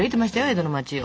江戸の町を。